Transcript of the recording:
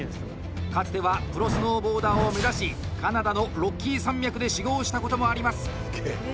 かつてはプロスノーボーダーを目指しカナダのロッキー山脈で修業したこともあります。